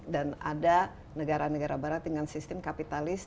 dan ada negara negara barat dengan sistem kapitalis